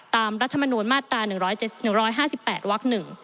รัฐมนูลมาตรา๑๕๘วัก๑